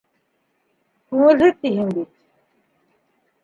Күңелһеҙ тиһең бит.